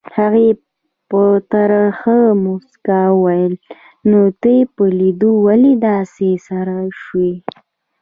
هغې په ترخه موسکا وویل نو ته یې په لیدو ولې داسې سره شوې؟